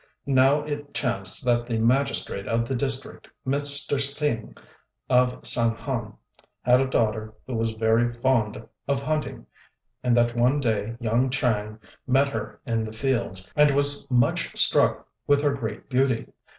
Now it chanced that the magistrate of the district, Mr. Tsêng of San han, had a daughter who was very fond of hunting, and that one day young Chang met her in the fields, and was much struck with her great beauty.